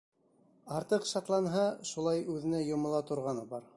Артыҡ шатланһа, шулай үҙенә йомола торғаны бар.